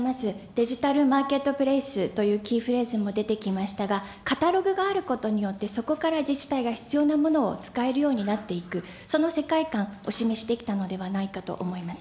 デジタルマーケットプレイスというキーフレーズも出てきましたが、カタログがあることによって、そこから自治体が必要なものを使えるようになっていく、その世界観、お示しできたのではないかと思います。